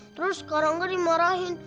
terus karangga dimarahin